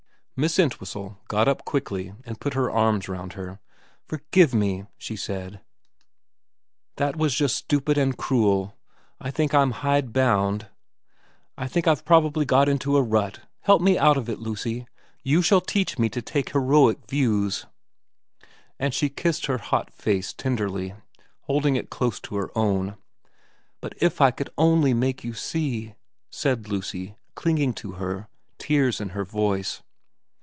Miss Entwhistle got up quickly and put her arms round her. ' Forgive me,' she said. ' That was just stupid and cruel. I think I'm hide bound. I think I've probably got into a rut. Help me out of it, Lucy. You shall teach me to take heroic views ' And she kissed her hot face tenderly, holding it close to her own. ' But if I could only make you see,' said Lucy, clinging to her, tears in her voice.